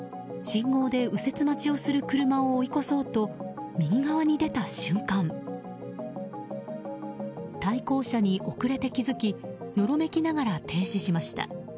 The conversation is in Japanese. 信号で右折待ちをする車を追い越そうと右側に出た瞬間対向車に遅れて気づきよろめきながら停止しました。